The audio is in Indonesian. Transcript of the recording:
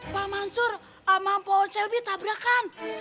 pak mansur sama pak selby tabrakan